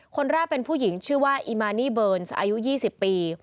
คนแรกเป็นผู้หญิงชื่อว่าอีมานี่เบิร์นอายุ๒๐ปี